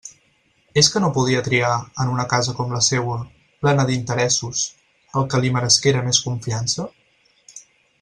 És que no podia triar, en una casa com la seua, plena d'«interessos», el que li meresquera més confiança?